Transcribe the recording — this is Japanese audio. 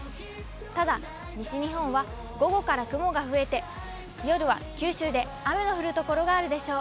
ただ、西日本は午後から雲が増えて、夜は九州で雨の降る所があるでしょう。